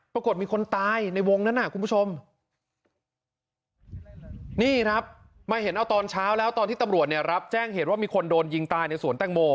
ปรากฏมีคนตายในวงนั้นน่ะคุณผู้ชมนี่ครับมาเห็นเอาตอนเช้าแล้วตอนที่ตำรวจเนี่ยรับแจ้งเหตุว่ามีคนโดนยิงตายในสวนแตงโม